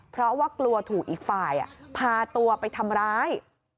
เพราะว่ากลัวถูกอีกฝ่ายพาตัวไปทำร้าย